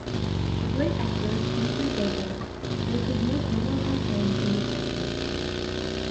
The great actor Humphrey Bogart made his most memorable films in this decade.